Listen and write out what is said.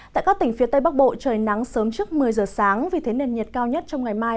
tại các tỉnh phía tây bắc bộ trời nắng sớm trước một mươi giờ sáng vì thế nền nhiệt cao nhất trong ngày mai